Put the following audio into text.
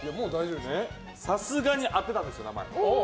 さすがに合ってたんですよ、名前。